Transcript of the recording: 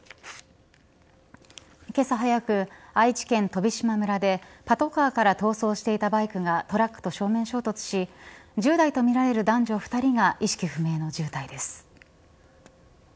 けさ早く、愛知県飛島村でパトカーから逃走していたバイクがトラックと正面衝突し１０代とみられる男女２人が意識不明の重体です。